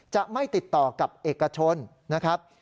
จะไม่ติดต่อกับเอกชนนะครับ